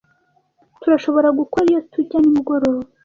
Turashobora gukora iyo tujya nimugoroba.